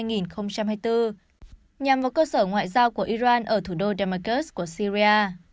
nhằm vào cơ sở ngoại giao của iran ở thủ đô demus của syria